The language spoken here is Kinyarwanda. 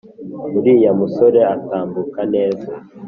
uriya musore atambuka neza